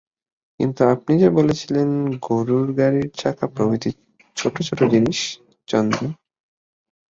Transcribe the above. কিন্তু আপনি যে বলছিলেন গোরুর গাড়ির চাকা প্রভৃতি ছোটো ছোটো জিনিস– চন্দ্র।